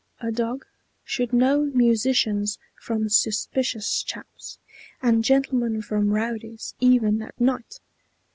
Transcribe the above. A dog Should know musicians from suspicious chaps, And gentlemen from rowdies, even at night!"